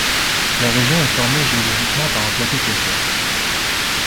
La région est formée géologiquement par un plateau calcaire.